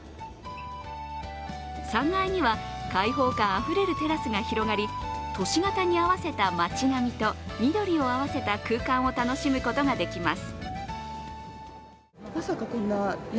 ３階には開放感あふれるテラスが広がり都市型に合わせた町並みと緑を合わせた空間を楽しむことができます。